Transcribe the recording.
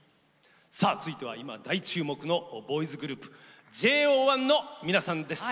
続いては大注目のボーイズグループＪＯ１の皆さんです。